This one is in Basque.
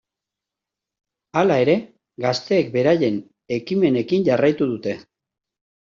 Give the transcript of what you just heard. Hala ere, gazteek beraien ekimenekin jarraitu dute.